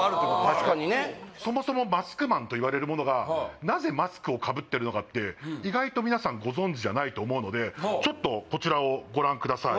確かにねそもそもマスクマンといわれるものがって意外と皆さんご存じじゃないと思うのでちょっとこちらをご覧ください